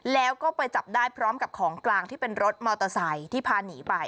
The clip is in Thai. แล้วก็ไปจับได้พร้อมกับของกลางที่เป็นรถมอเตอร์ไซค์ที่พาหนีไป